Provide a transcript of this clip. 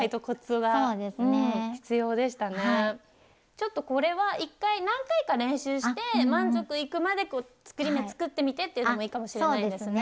ちょっとこれは一回何回か練習して満足いくまで作り目作ってみてっていうのもいいかもしれないですね。